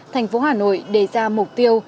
thành phố hà nội đề ra mục tiêu